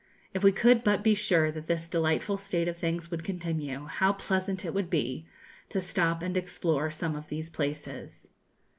If we could but be sure that this delightful state of things would continue, how pleasant it would be, to stop and explore some of these places.